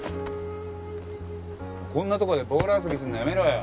こんなとこでボール遊びするのやめろよ。